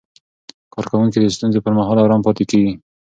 کارکوونکي د ستونزو پر مهال آرام پاتې کېږي.